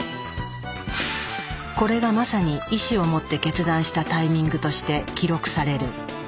これがまさに意志を持って決断したタイミングとして記録される。